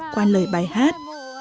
qua lời bài hát